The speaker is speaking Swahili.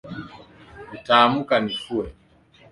Nitaamka nifue